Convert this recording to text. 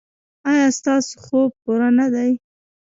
ایا ستاسو خوب پوره نه دی؟